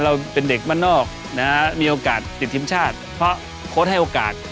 เราเป็นเด็กบ้านนอกนะฮะมีโอกาสติดทีมชาติเพราะโค้ดให้โอกาส